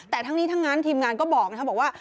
แต่ทั้งนี้ทั้งนั้นทีมงานก็บอกนะครับบอกว่า